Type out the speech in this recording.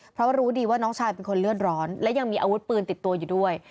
เพราะรู้ดีว่าน้องชายเป็นคนเลือดร้อนและยังมีอาวุธปืนติดตัวอยู่ด้วย